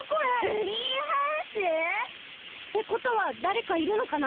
ツリーハウス！？ってことはだれかいるのかな？